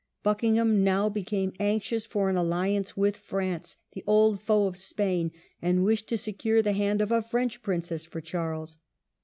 Buckingham now became anxious for an alliance with France, the old foe of Spain, and wished to secure the hand of a French princess for Charles.